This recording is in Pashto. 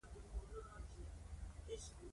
هيڅ کله نه